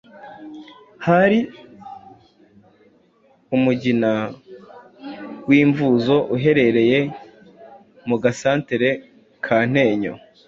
Hari umugina w’imvuzo, uherereye mu gasantere ka Ntenyo,